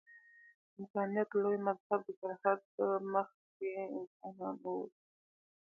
انسانیت لوی مذهب دی. تر هر څه مخکې انسانان اوسئ.